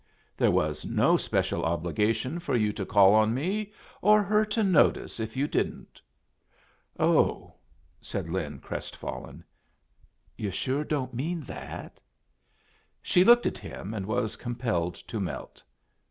There was no special obligation for you to call on me, or her to notice if you didn't." "Oh!" said Lin, crestfallen. "Yu' sure don't mean that?" She looked at him, and was compelled to melt.